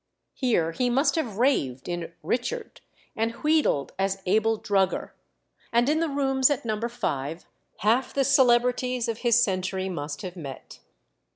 Here he must have raved in "Richard," and wheedled as Abel Drugger; and in the rooms at No. 5 half the celebrities of his century must have met.